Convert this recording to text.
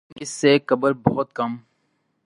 لیکن اس سے قبل بہت کم